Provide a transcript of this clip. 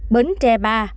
bến tre ba